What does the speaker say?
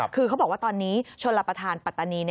คือเขาบอกว่าตอนนี้ชนรับประทานปัตตานี